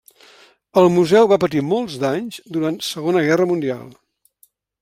El museu va patir molts danys durant Segona Guerra Mundial.